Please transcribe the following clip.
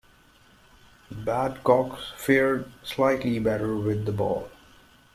Badcock fared slightly better with the ball.